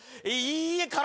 いいえ。